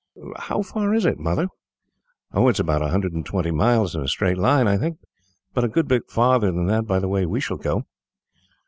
"How far is it, Mother?" "It is about a hundred and twenty miles, in a straight line, I think; but a good bit farther than that, by the way we shall go."